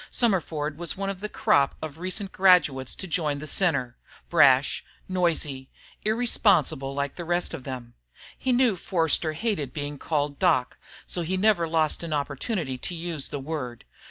Summerford was one of the crop of recent graduates to join the Center brash, noisy, irresponsible like the rest of them. He knew Forster hated being called "Doc," so he never lost an opportunity to use the word.